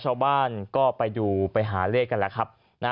ชาวบ้านก็ไปดูไปหาเล็กกัน